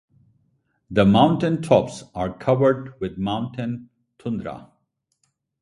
The mountaintops are covered with mountain tundra.